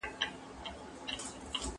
د نجونو زده کړه د کورنيو باور زياتوي.